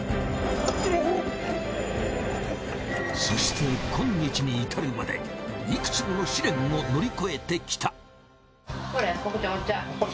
そして今日に至るまでいくつもの試練を乗り越えてきた。